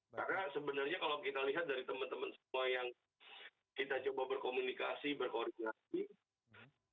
karena sebenarnya kalau kita lihat dari teman teman semua yang kita coba berkomunikasi berkoordinasi